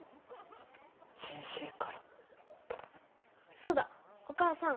そうだお母さん。